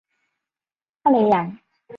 奥雷扬。